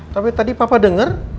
tapi tadi papa denger